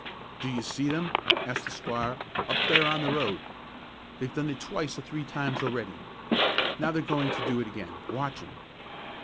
"Do you see them," asked the squire, "up there in the road? They've done it twice or three times already. Now they're going to do it again; watch 'em!"